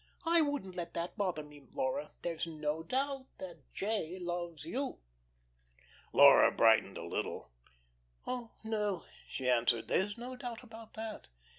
I wouldn't let that bother me, Laura. There's no doubt that 'J.' loves you." Laura brightened a little. "Oh, no," she answered, "there's no doubt about that.